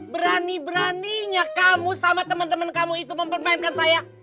berani beraninya kamu sama teman teman kamu itu mempermainkan saya